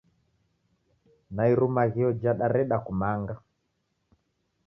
Na Irumaghio jadareda kumanga